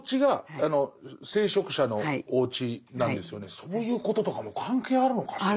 そういうこととかも関係あるのかしら？